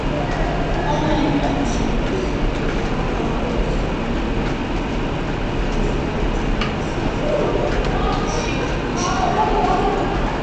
ყოველივე ამის შემდეგ ზღვაოსანი ლაპტევი ისევ აგრძელებდა საზღვაო ფლოტში მუშაობას.